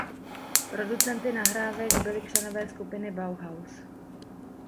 Producenty nahrávek byli členové skupiny Bauhaus.